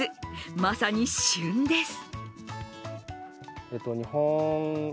まさに旬です。